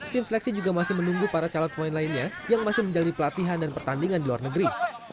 tim seleksi juga masih menunggu para calon pemain lainnya yang masih menjalani pelatihan dan pertandingan di luar negeri